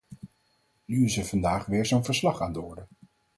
Nu is er vandaag weer zo'n verslag aan de orde.